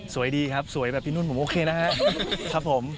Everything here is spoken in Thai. สวยดีครับสวยแบบพี่นุ่นผมโอเคนะครับผม